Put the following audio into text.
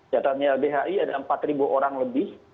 catatnya ylbhi ada empat orang lebih